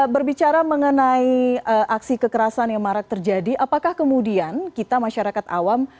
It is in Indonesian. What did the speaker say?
berbicara mengenai aksi kekerasan yang marak terjadi apakah kemudian kita masyarakat awam